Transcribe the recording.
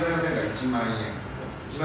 １万円。